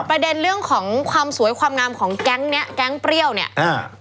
ประเด็นเรื่องของความสวยความงามของแก๊งเนี้ยแก๊งเปรี้ยวเนี้ยอ่า